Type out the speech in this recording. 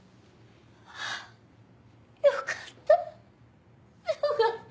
あぁよかった。よかった。